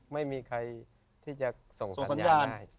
ไม่มีใครที่จะส่งสัญญาณได้